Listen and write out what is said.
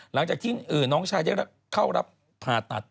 หลังจากที่น้องชายได้เข้ารับผ่าตัด